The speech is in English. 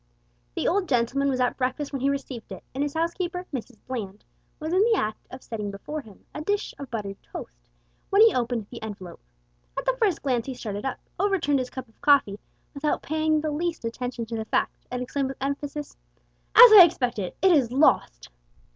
The old gentleman was at breakfast when he received it, and his housekeeper, Mrs Bland, was in the act of setting before him a dish of buttered toast when he opened the envelope. At the first glance he started up, overturned his cup of coffee, without paying the least attention to the fact, and exclaimed with emphasis "As I expected. It is lost!"